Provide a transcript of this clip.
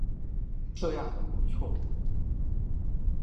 这样很不错